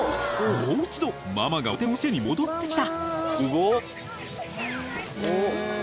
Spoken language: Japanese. もう一度ママがお手本を見せに戻ってきた。